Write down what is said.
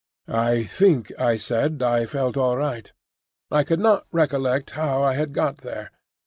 I think I said I felt all right. I could not recollect how I had got there.